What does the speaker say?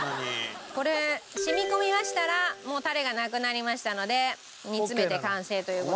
これ染み込みましたらもうタレがなくなりましたので煮詰めて完成という事に。